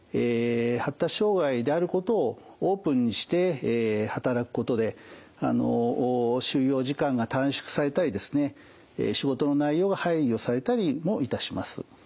発達障害であることをオープンにして働くことで就労時間が短縮されたり仕事の内容が配慮されたりもいたします。